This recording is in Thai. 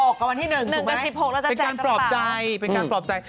๑กับ๑๖กับวันที่๑ถูกไหมเป็นการปลอบใจเป็นการปลอบใจ